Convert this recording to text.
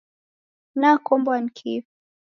Nakombwa ni kifu.